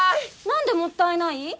なんでもったいない？